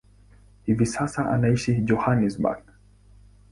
Hivi sasa anaishi Johannesburg.